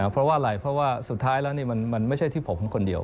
เพราะว่าอะไรเพราะว่าสุดท้ายแล้วมันไม่ใช่ที่ผมคนเดียว